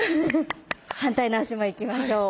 反対の足もいきましょう。